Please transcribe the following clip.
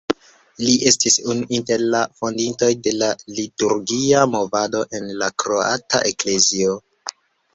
Li estis unu inter la fondintoj de la liturgia movado en la kroata Eklezio.